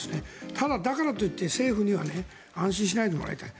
ただ、だからといって政府には安心しないでもらいたい。